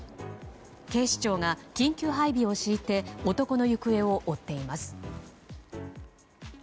警視庁が緊急配備を敷いて男の行方を追っています。